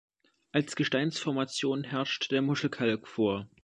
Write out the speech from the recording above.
Als Gesteinsformation herrscht der Muschelkalk vor.